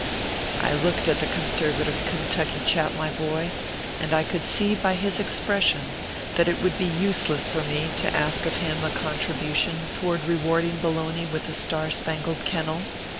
I looked at the conservative Kentucky chap, my boy, and I could see by his expression that it would be useless for me to ask of him a contribution toward rewarding Bologna with a star spangled kennel.